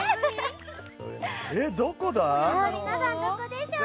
皆さん、どこでしょうか。